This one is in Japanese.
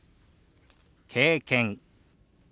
「経験」。